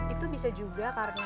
itu bisa juga karena